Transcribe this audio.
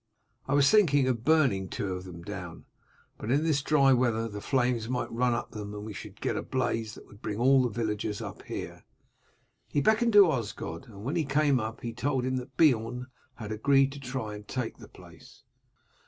I was thinking of burning two of them down, but in this dry weather the flames might run up them, and we should get a blaze that would bring all the villagers up here." He beckoned to Osgod, and when he came up told him that Beorn and he had agreed to try and take the place.